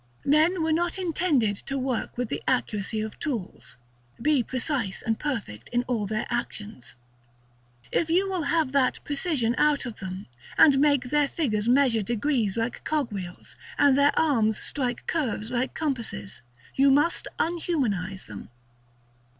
Men were not intended to work with the accuracy of tools, to be precise and perfect in all their actions. If you will have that precision out of them, and make their fingers measure degrees like cog wheels, and their arms strike curves like compasses, you must unhumanize them.